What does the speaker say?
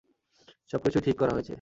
সব কিছুই ঠিক করা হয়েছে।